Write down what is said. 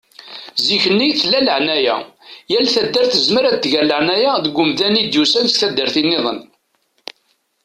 Zikk-nni tella laεnaya. Yal taddart tezmer ad tger laεnaya deg umdan i d-yusan seg taddart-nniḍen.